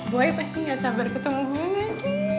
boy pasti gak sabar ketemu gue gak sih